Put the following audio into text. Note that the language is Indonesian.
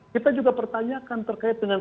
kita juga pertanyaan akan terkait dengan